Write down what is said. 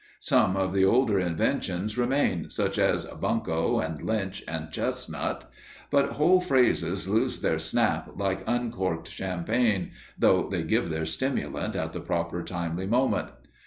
Some of the older inventions remain, such as "bunco" and "lynch" and "chestnut," but whole phrases lose their snap like uncorked champagne, though they give their stimulant at the proper timely moment.